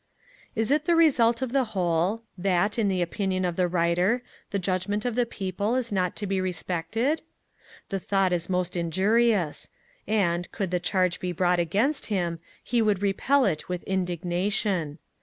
Is it the result of the whole, that, in the opinion of the Writer, the judgement of the People is not to be respected? The thought is most injurious; and, could the charge be brought against him, he would repel it with indignation.